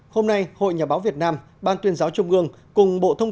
hôm nay hội nhà báo việt nam ban tuyên giáo trung ương